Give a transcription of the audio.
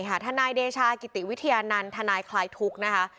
ธานัยเดชาอากิติวิทยานั่นธานายคลายถุกนะคะ